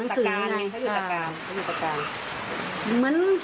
เขาอยู่สการ